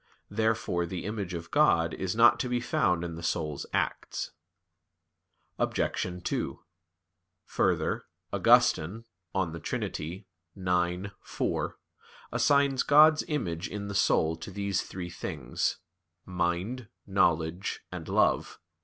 Therefore the image of God is not to be found in the soul's acts. Obj. 2: Further, Augustine (De Trin. ix, 4) assigns God's image in the soul to these three things mind, knowledge, and love.